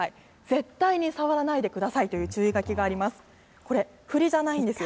絶対に触らないでくださいという注意書きがあります。